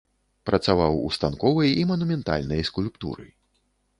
Працаваў ў станковай і манументальнай скульптуры.